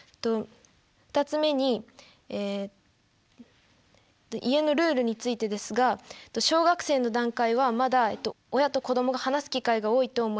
２つ目にえ家のルールについてですが小学生の段階はまだ親と子供が話す機会が多いと思います。